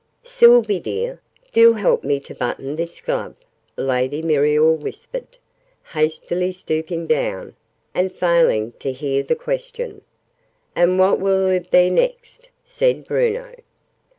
"Sylvie dear, do help me to button this glove!" Lady Muriel whispered, hastily stooping down, and failing to hear the question. "And what will oo be next?" said Bruno.